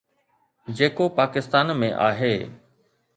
جيڪو پاڪستان ۾ آهي.